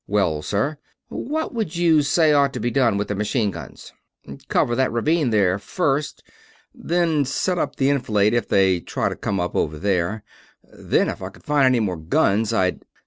"Wells, sir." "What would you say ought to be done with the machine guns?" "Cover that ravine, there, first. Then set up to enfilade if they try to come up over there. Then, if I could find any more guns, I'd...."